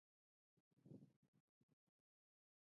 څنګه کولی شم د ګوګل اډز له لارې پیسې وګټم